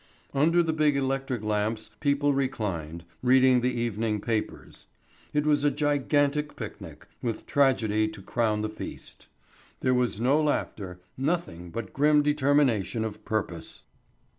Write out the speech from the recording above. Under the big electric lamps people reclined, reading the evening papers. It was a gigantic picnic, with tragedy to crown the feast. There was no laughter, nothing but grim determination of purpose.